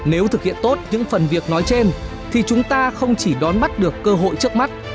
nếu thực hiện tốt những phần việc nói trên thì chúng ta không chỉ đón bắt được cơ hội trước mắt